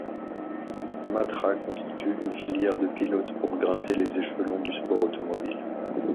Matra constitue une filière de pilotes pour grimper les échelons du sport automobile.